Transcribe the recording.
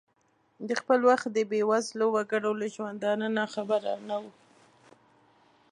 د خپل وخت د بې وزلو وګړو له ژوندانه ناخبره نه ؤ.